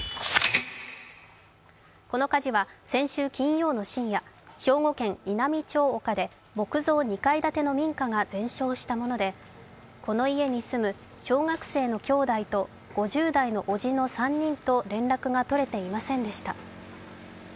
この火事は先週金曜日の深夜、兵庫県稲美町岡での木造２階建ての民家が全焼したものでこの家に住む小学生の兄弟と５０代のおじの３人と連絡が取れていませんでした。